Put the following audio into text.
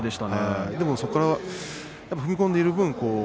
でも、そこから踏み込んでいる分